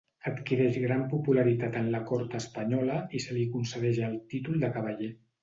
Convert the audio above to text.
Adquireix gran popularitat en la cort espanyola i se li concedeix el títol de cavaller.